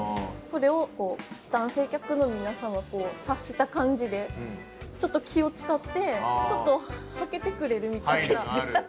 それを男性客の皆さんは察した感じでちょっと気を遣ってちょっとはけてくれるみたいな。